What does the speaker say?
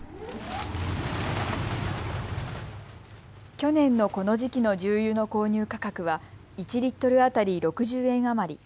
去年のこの時期の重油の購入価格は１リットル当たり６０円余り。